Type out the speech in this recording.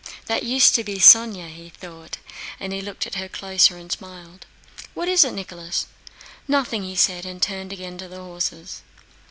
"That used to be Sónya," thought he, and looked at her closer and smiled. "What is it, Nicholas?" "Nothing," said he and turned again to the horses.